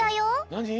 なに！？